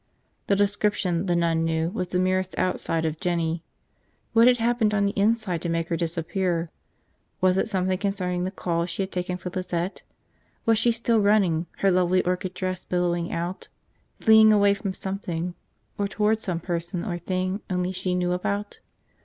The description, the nun knew, was the merest outside of Jinny. What had happened on the inside to make her disappear? Was it something concerning the call she had taken for Lizette? Was she still running, her lovely orchid dress billowing out? Fleeing away from something. .. or toward some person or thing only she knew about?